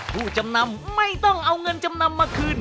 ผู้จำนำไม่ต้องเอาเงินจำนำมาคืน